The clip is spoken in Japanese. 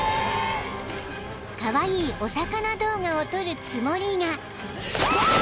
［カワイイお魚動画を撮るつもりが］